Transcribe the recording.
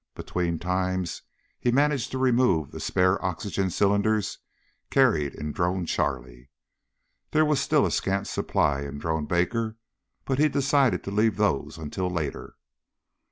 Between times he managed to remove the spare oxygen cylinders carried in Drone Charlie. There was still a scant supply in Drone Baker, but he decided to leave those until later.